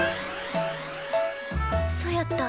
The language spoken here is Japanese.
そやった。